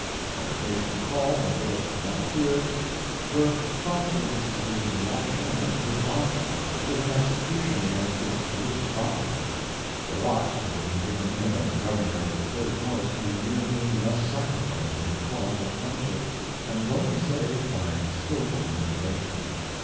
When the case was called and Gillis did not appear, Burke promptly instituted an action against his bondsman, with an execution against his loose property. The watch that had been given him as Governor of the Third House came near being thus sacrificed in the cause of friendship, and was only saved by skilful manipulation.